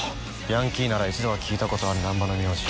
ヤンキーなら一度は聞いたことある難破の名字。